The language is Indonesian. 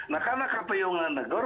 nah karena kpu nggak negur